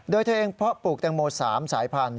โดยเธอเองเพาะปลูกแตงโม๓สายพันธุ